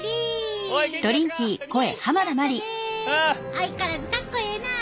相変わらずかっこええなあ。